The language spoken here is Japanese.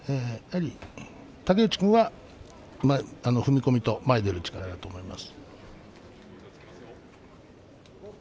竹内君は踏み込むと前に出る力が強いと思います。